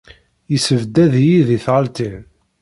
Issebdad-iyi di tɣaltin.